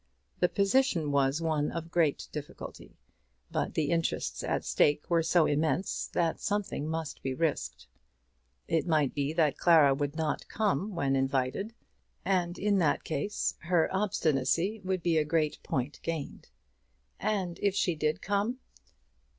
The position was one of great difficulty, but the interests at stake were so immense that something must be risked. It might be that Clara would not come when invited, and in that case her obstinacy would be a great point gained. And if she did come